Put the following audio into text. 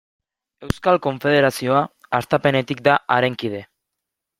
Euskal Konfederazioa hastapenetik da haren kide.